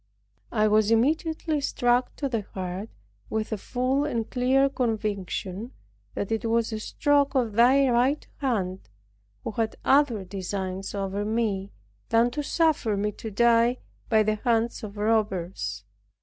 I was immediately struck to the heart with a full and clear conviction that it was a stroke of Thy right hand, who had other designs over me than to suffer me to die by the hand of robbers.